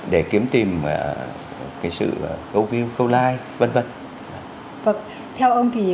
để kiếm tìm cái sự câu viên câu lai vân vân vật theo ông thì